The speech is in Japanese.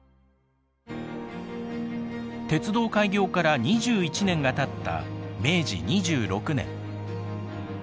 鉄道開業から２１年がたった明治２６年。